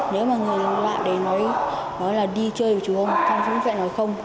nếu mà người lạ để nói là đi chơi chứ không con cũng sẽ nói không